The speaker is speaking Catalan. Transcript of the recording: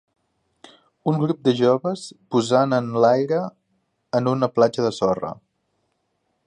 Un grup de joves posant en l'aire en una platja de sorra.